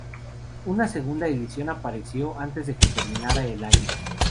Una segunda edición apareció antes de que terminara el año.